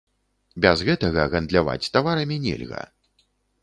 Без гэтага гандляваць таварамі нельга.